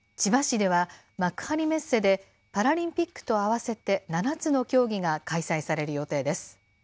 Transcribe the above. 千葉市では、幕張メッセでパラリンピックと合わせて７つの競技が開催される予定です。